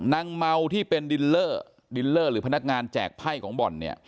นางเมาที่เป็นดินเลอร์ดินเลอร์หรือพนักงานแจกไพ่ของบ่อนเนี่ย